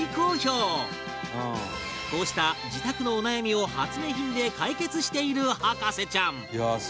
こうした自宅のお悩みを発明品で解決している博士ちゃん